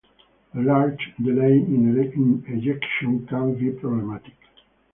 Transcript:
The large delay in ejection can be problematic.